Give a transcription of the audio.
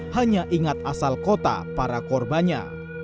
hanya ingat asal kota para korbannya